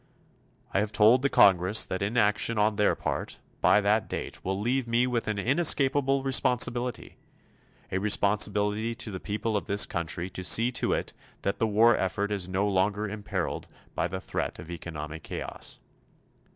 I have told the Congress that inaction on their part by that date will leave me with an inescapable responsibility, a responsibility to the people of this country to see to it that the war effort is no longer imperiled by the threat of economic chaos.